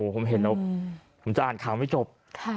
ผมเห็นแล้วผมจะอ่านข่าวไม่จบ